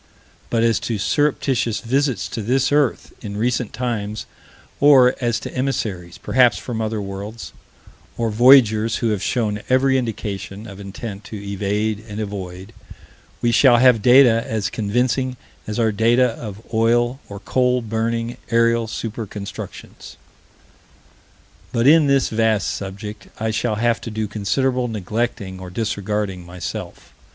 But as to surreptitious visits to this earth, in recent times, or as to emissaries, perhaps, from other worlds, or voyagers who have shown every indication of intent to evade and avoid, we shall have data as convincing as our data of oil or coal burning aerial super constructions. But, in this vast subject, I shall have to do considerable neglecting or disregarding, myself.